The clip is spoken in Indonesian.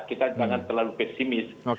kita jangan terlalu pesimis